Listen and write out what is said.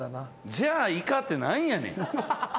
「じゃあイカ」って何やねん。